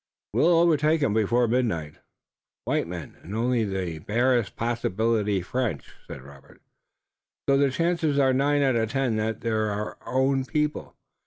We will overtake them before midnight." "White men, and only by the barest possibility French," said Robert. "So the chances are nine out of ten that they're our own people.